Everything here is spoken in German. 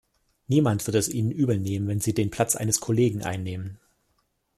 Niemand wird es Ihnen übelnehmen, wenn Sie den Platz eines Kollegen einnehmen.